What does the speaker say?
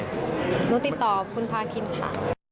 หนูติดต่อคุณพาคินค่ะ